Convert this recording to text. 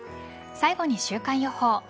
最後に週間予報。